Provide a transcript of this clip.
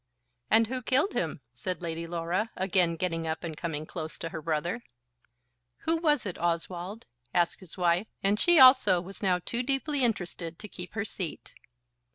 "And who killed him?" said Lady Laura, again getting up and coming close to her brother. "Who was it, Oswald?" asked his wife; and she also was now too deeply interested to keep her seat.